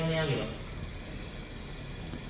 นี่นี่ผม